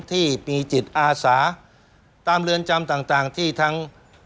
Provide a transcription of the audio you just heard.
ที่มีจิตอาสาตามเรือนจำต่างที่ทั้ง